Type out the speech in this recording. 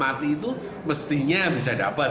mati itu mestinya bisa dapat